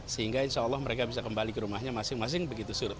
sehingga insya allah mereka bisa kembali ke rumahnya masing masing begitu surut